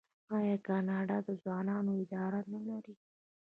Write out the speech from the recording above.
آیا کاناډا د ځوانانو اداره نلري؟